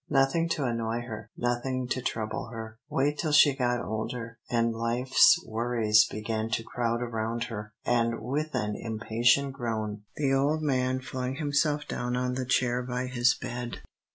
Nothing to annoy her, nothing to trouble her. Wait till she got older, and life's worries began to crowd around her, and with an impatient groan the old man flung himself down on the chair by his bed.